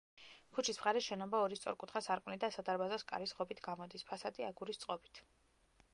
ქუჩის მხარეს შენობა ორი სწორკუთხა სარკმლით და სადარბაზოს კარის ღობით გამოდის, ფასადი აგურის წყობით.